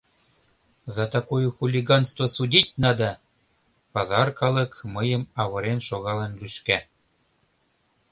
— За такое хулиганство судить надо! — пазар калык мыйым авырен шогалын лӱшка.